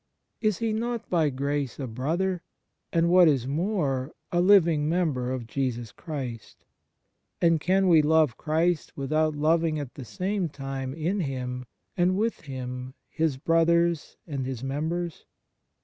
Is he not by grace a brother, and, what is more, a living member of Jesus Christ ? And can we love Christ without loving at the same time in Him, and with Him, His brothers and His members